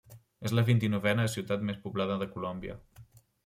És la vint-i-novena ciutat més poblada de Colòmbia.